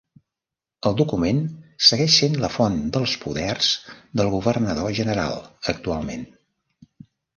El document segueix sent la font dels poders del Governador General actualment.